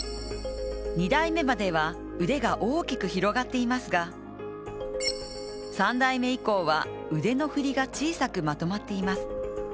２台目までは腕が大きく広がっていますが３台目以降は腕の振りが小さくまとまっています。